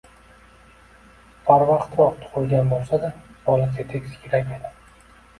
Barvaqtroq tug`ilgan bo`lsa-da bola tetik, ziyrak edi